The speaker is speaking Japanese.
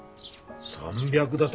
３００だと。